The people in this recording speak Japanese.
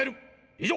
以上！